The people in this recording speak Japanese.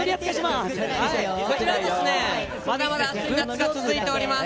こちらですね、まだまだ暑い夏が続いております。